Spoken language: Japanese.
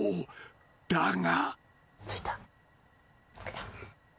［だが］